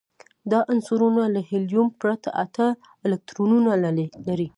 دا عنصرونه له هیلیوم پرته اته الکترونونه لري.